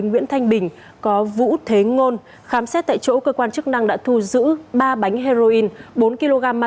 nguyễn thanh bình có vũ thế ngôn khám xét tại chỗ cơ quan chức năng đã thu giữ ba bánh heroin bốn kg ma túy